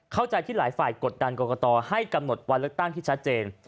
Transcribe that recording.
เข้าใจที่หลายฝ่ายกดดันกรกตให้กำหนดวันเลือกตั้งที่ชัดเจน